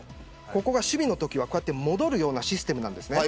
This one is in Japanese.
ここが守備のときは戻るようなシステムなんです。